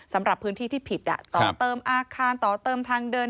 สำหรับพื้นที่ที่ผิดต่อเติมอาคารต่อเติมทางเดิน